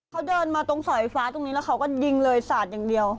เขาเดินมาตรงสายไฟฟ้าตรงนี้แล้วเขาก็ยิงเลยสาดอย่างเดียว